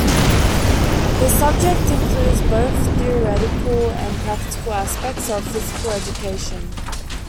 This subject includes both theoretical and practical aspects of Physical Education.